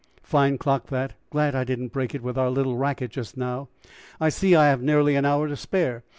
"Fine clock that; glad I didn't break it with our little racket just now. I see I have nearly an hour to spare.